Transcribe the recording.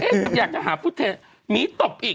เอ๊ะอยากจะหาผู้เท้หมีตบอีก